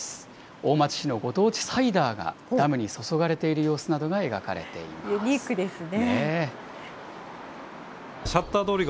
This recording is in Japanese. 大町市のご当地サイダーがダムに注がれている様子などが描かれてユニークですね。